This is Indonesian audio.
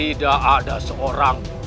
tidak ada seorang